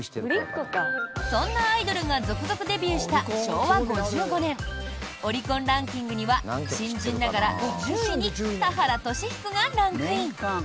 そんなアイドルが続々デビューした昭和５５年オリコンランキングには新人ながら１０位に田原俊彦がランクイン！